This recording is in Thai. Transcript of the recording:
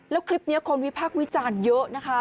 แล้วคลิปนี้คนวิพากษ์วิจารณ์เยอะนะคะ